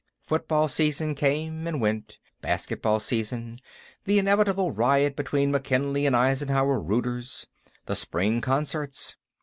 Football season came and went; basketball season; the inevitable riot between McKinley and Eisenhower rooters; the Spring concerts.